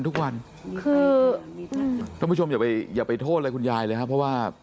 ทุกผู้ชมอย่าไปโทษอะไรคุณยายเลยครับเพราะว่า